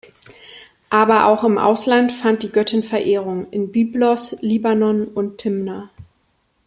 Aber auch im Ausland fand die Göttin Verehrung: in Byblos, Libanon und Timna.